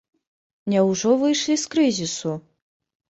Няўжо выйшлі з крызісу?